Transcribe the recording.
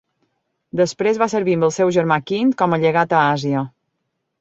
Després va servir amb el seu germà Quint com a llegat a Àsia.